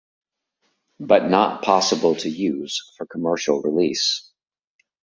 But not possible to use for commercial release.